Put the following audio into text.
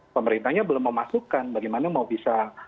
pemerintahnya belum memasukkan bagaimana mau bisa